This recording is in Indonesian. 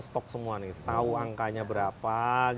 stok semua nih tahu angkanya berapa